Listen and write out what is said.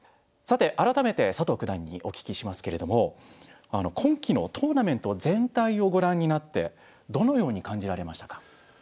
さて改めて佐藤九段にお聞きしますけれども今期のトーナメント全体をご覧になってどのように感じられましたか。